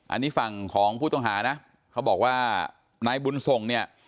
อันนี้ฝั่งของผู้ต้องหานะเขาบอกว่านายบุญส่งเนี่ย